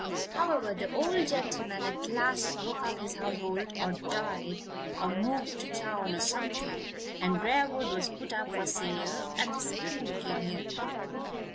"However, the old gentleman at last broke up his household, or died, or moved to town, or something, and Briarwood was put up for sale and the school came here.